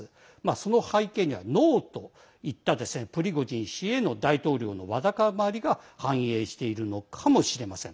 その背景にはノーといったプリゴジン氏への大統領のわだかまりが反映しているのかもしれません。